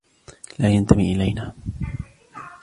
لا ينتمي إلينا.